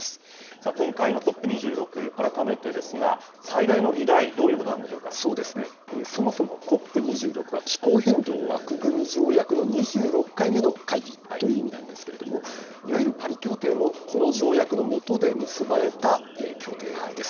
さあ、今回のＣＯＰ２６、改めてですが、最大の議題、どういうこそうですね、そもそもＣＯＰ２６は、気候変動枠組条約の２６回目の会議という意味なんですけれども、いわゆるパリ協定も、この条約の下で結ばれた協定です。